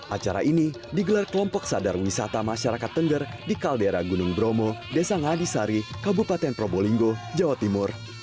acara ini digelar kelompok sadar wisata masyarakat tengger di kaldera gunung bromo desa ngadisari kabupaten probolinggo jawa timur